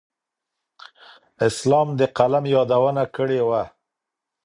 اسلام د قلم یادونه کړې وه.